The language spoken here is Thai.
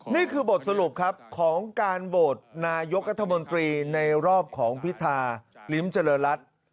นี่คือบทสรุปครับของการโหวตนายกรัฐมนตรีในรอบของพิธาลิ้มเจริญรัฐ